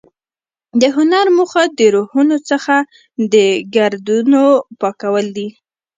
د هنر موخه د روحونو څخه د ګردونو پاکول دي.